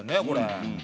これ。